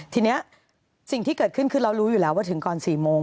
ทีนี้สิ่งที่เกิดขึ้นคือเรารู้อยู่แล้วว่าถึงก่อน๔โมง